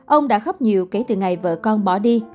ông đã khóc nhiều kể từ ngày vợ con bỏ đi